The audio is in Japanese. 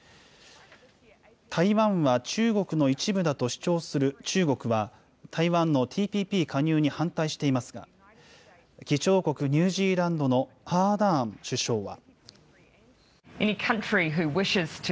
台湾は中国の一部だと主張する中国は、台湾のＴＰＰ加入に反対していますが、議長国、ニュージーランドのアーダーン首相は。